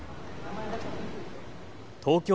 東京